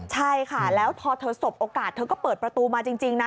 ใช่ค่ะแล้วพอเธอสบโอกาสเธอก็เปิดประตูมาจริงนะ